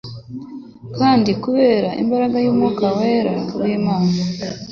Kandi kubera imbaraga y'Umwuka wera w'Imana,